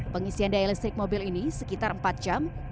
pengisian daya listrik mobil ini sekitar empat jam